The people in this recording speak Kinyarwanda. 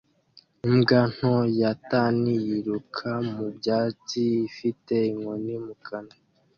imbwa nto ya tan yiruka mu byatsi ifite inkoni mu kanwa